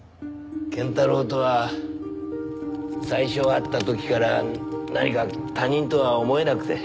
謙太郎とは最初会った時から何か他人とは思えなくて。